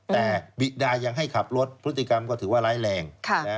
แต่บิดายังให้ขับรถพฤติกรรมก็ถือว่าร้ายแรง